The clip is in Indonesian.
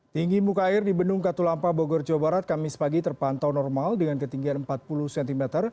tinggi muka air di bendung katulampa bogor jawa barat kamis pagi terpantau normal dengan ketinggian empat puluh cm